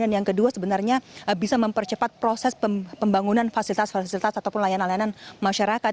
dan yang kedua sebenarnya bisa mempercepat proses pembangunan fasilitas fasilitas ataupun layanan layanan masyarakat